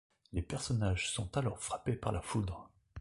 Les personnages sont alors frappés par la foudre.